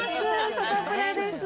『サタプラ』です。